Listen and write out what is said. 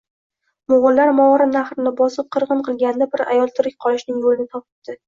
Móg'ullar Movarounnahrni bosib, qirg'in qilganida bir ayol tirik qolishning yólini topibdi